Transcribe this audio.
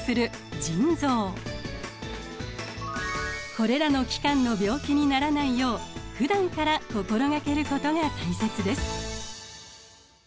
これらの器官の病気にならないようふだんから心掛けることが大切です。